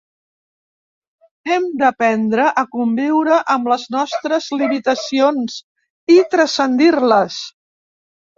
Hem d'aprendre a conviure amb les nostres limitacions, i transcendir-les.